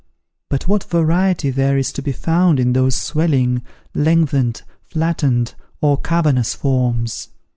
But what variety there is to be found in those swelling, lengthened, flattened, or cavernous forms!